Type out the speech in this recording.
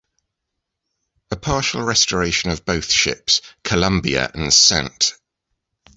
A partial restoration of both ships, "Columbia" and "Ste.